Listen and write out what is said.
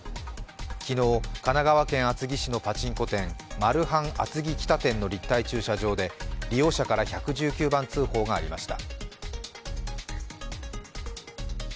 昨日、神奈川県厚木市のパチンコ店マルハン厚木北店の立体駐車場で利用者から１１９番通報がありました。